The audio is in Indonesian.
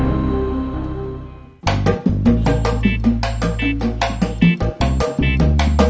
sayang makasih mau udah tidur aja